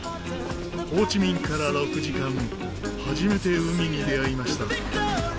ホーチミンから６時間初めて海に出会いました。